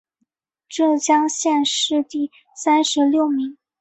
浙江乡试第三十六名。